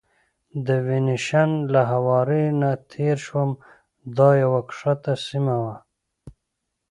د وینیشن له هوارې نه تېر شوم، دا یوه کښته سیمه وه.